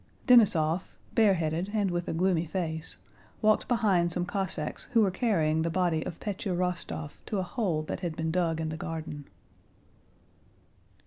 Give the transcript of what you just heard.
Denísov, bareheaded and with a gloomy face, walked behind some Cossacks who were carrying the body of Pétya Rostóv to a hole that had been dug in the garden.